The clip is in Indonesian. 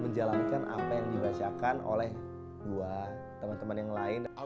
menjalankan apa yang dibacakan oleh dua teman teman yang lain